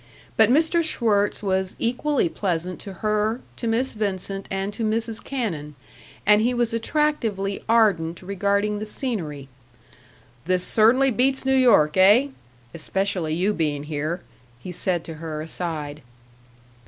But Mr. Schwirtz was equally pleasant to her, to Miss Vincent, and to Mrs. Cannon; and he was attractively ardent regarding the scenery. "This cer'nly beats New York, eh? Especially you being here," he said to her, aside.